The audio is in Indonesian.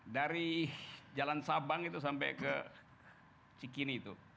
dari jalan sabang itu sampai ke cikini itu